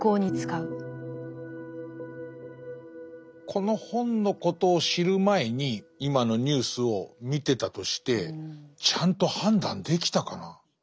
この本のことを知る前に今のニュースを見てたとしてちゃんと判断できたかな。